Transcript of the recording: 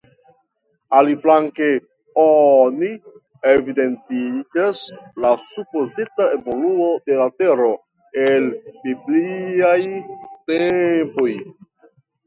Aliflanke oni evidentiĝas la supozita evoluo de la Tero el bibliaj tempoj.